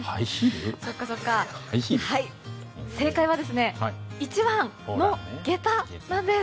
はい正解は１番の下駄なんです。